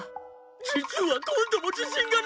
実は今度も自信がないんだ！